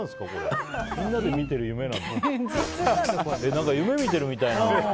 何か夢見てるみたいな。